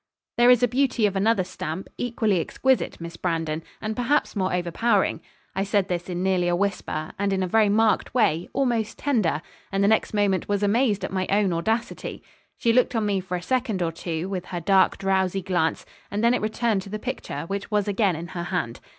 'There is a beauty of another stamp, equally exquisite, Miss Brandon, and perhaps more overpowering.' I said this in nearly a whisper, and in a very marked way, almost tender, and the next moment was amazed at my own audacity. She looked on me for a second or two, with her dark drowsy glance, and then it returned to the picture, which was again in her hand.